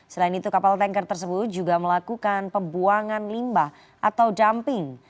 selain itu kapal tanker tersebut juga melakukan pembuangan limbah atau dumping